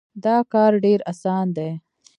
دا کار ډېر اسان دی.